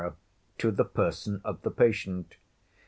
to the person of the patient.